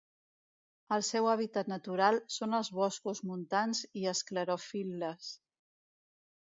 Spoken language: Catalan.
El seu hàbitat natural són els boscos montans i esclerofil·les.